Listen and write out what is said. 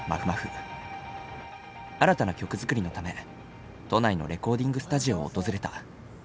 新たな曲作りのため都内のレコーディングスタジオを訪れた。